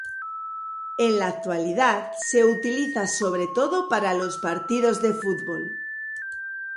En la actualidad se utiliza sobre todo para los partidos de fútbol.